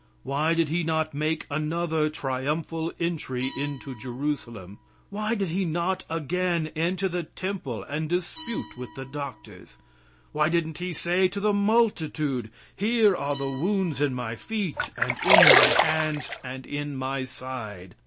Why did He not make another triumphal entry into Jerusalem? Why did He not again enter the temple and dispute with the doctors? Why didn't He say to the multitude: "Here are the wounds in My feet, and in My hands, and in My side.